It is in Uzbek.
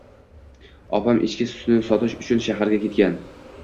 Opam echki sutini sotish uchun shaharga ketgan.